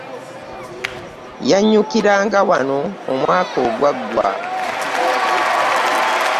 Yannyukiranga wano omwaka ogwaggwa.